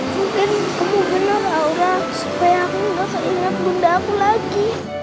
mungkin kamu bener aura supaya aku gak akan ingat bunda aku lagi